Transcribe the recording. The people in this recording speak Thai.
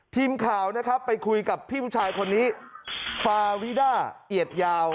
ทีมข่าวนะครับไปคุยกับพี่ผู้ชายคนนี้ฟาวิด้าเอียดยาว